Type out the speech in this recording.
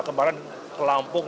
kemarin ke lampung